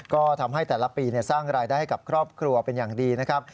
ก็ทำให้แต่ละปีสร้างรายได้ให้กับครอบครัวเป็นอย่างดีนะครับ